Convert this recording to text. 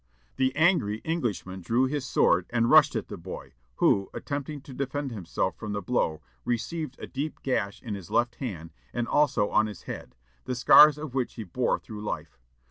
The angry Englishman drew his sword, and rushed at the boy, who, attempting to defend himself from the blow, received a deep gash in his left hand, and also on his head, the scars of which he bore through life.